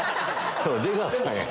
出川さんや。